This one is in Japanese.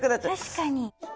確かに。